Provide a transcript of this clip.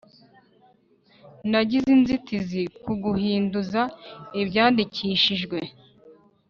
Nagize inzitizi ku guhinduza ibyandikishijwe